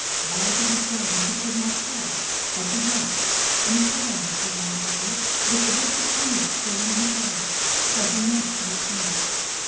Why he was going he could not tell; but he went, and he frowned as he rode away, with the wicked gleam still in his eye; for he meant to return.